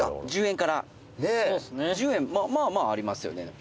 「１０円まあまあありますよね」